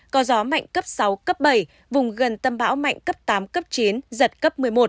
có gió mạnh cấp sáu cấp bảy vùng gần tâm bão mạnh cấp tám cấp chín giật cấp một mươi một